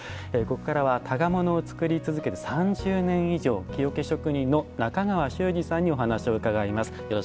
ここからは箍物を作り続けて３０年以上木桶職人の中川周士さんにお話を伺います。